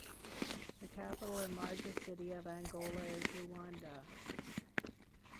The capital and largest city of Angola is Luanda.